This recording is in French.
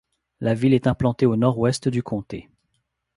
La ville est implantée au nord-ouest du comté.